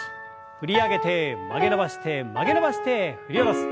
振り上げて曲げ伸ばして曲げ伸ばして振り下ろす。